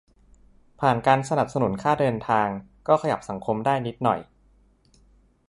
ผ่านการสนับสนุนค่าเดินทาง ก็ขยับสังคมได้นิดหน่อย